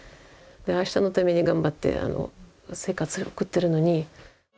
明日のために頑張って生活を送ってるのに。